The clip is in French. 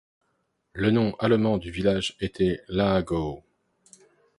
Le nom allemand du village était Lagow.